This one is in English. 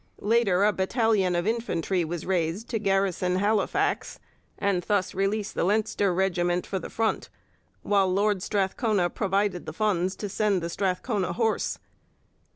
Later a battalion of infantry was raised to garrison Halifax and thus release the Leinster regiment for the front, while Lord Strathcona provided the funds to send the Strathcona Horse.